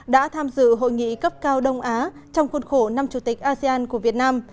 đã tham dự hội nghị cấp cao đông á trong khuôn khổ năm chủ tịch asean của việt nam